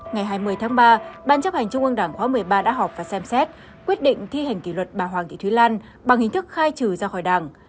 ngày hai mươi tháng ba ban chấp hành trung ương đảng khóa một mươi ba đã họp và xem xét quyết định thi hành kỷ luật bà hoàng thị thúy lan bằng hình thức khai trừ ra khỏi đảng